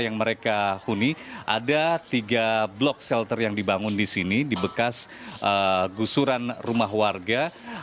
yang mereka huni ada tiga blok shelter yang dibangun di sini di bekas gusuran rumah warga